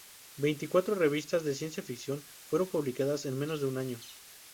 Veinticuatro revistas de ciencia ficción fueron publicadas en menos de un año.